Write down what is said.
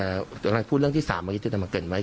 ในคาร์บนัทพูดเรื่องที่๓พวกเราเกิดไหม